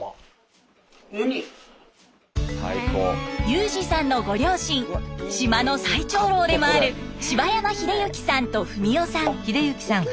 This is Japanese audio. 優兒さんのご両親島の最長老でもある柴山英行さんと文代さん。